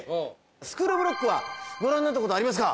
『スクール・オブ・ロック』はご覧になったことありますか？